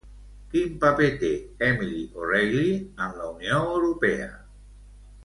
Quin paper té Emily OReilly en la Unió Europea?